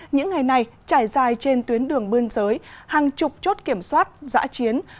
những ngày này trải dài trên tuyến đường biên giới hàng chục chốt kiểm soát giã chiến